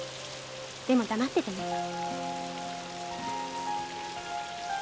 でも黙っててね。